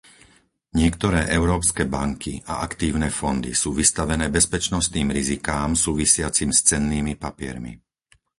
Niektoré európske banky a aktívne fondy sú vystavené bezpečnostným rizikám súvisiacim s cennými papiermi.